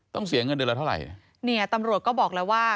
เสียเงินเดือนละเท่าไหร่เนี่ยตำรวจก็บอกแล้วว่า